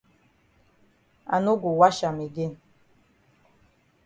I no go wash am again.